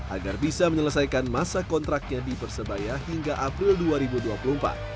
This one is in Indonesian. agar bisa menyelesaikan masa kontraknya di persebaya hingga april dua ribu dua puluh empat